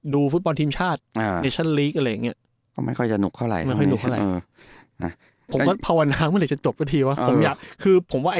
ดูฟุตบอลทีมชาติเน